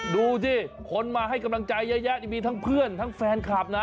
ดูสิคนมาให้กำลังใจเยอะแยะนี่มีทั้งเพื่อนทั้งแฟนคลับนะ